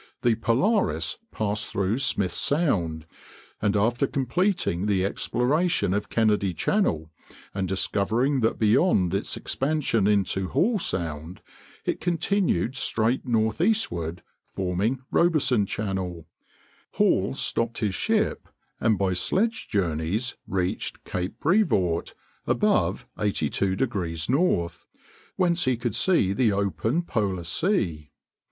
The Polaris passed through Smith Sound, and after completing the exploration of Kennedy Channel, and discovering that beyond its expansion into Hall Sound it continued straight northeastward, forming Robeson Channel, Hall stopped his ship and by sledge journeys reached Cape Brevoort, above 82° N., whence he could see the open polar sea.